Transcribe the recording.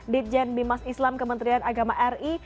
ditjen bimas islam kementerian agama ri